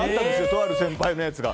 とある先輩のやつが。